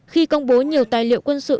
khi công bố nhiều tài liệu quân sự